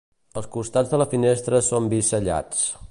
Els costats de la finestra són bisellats.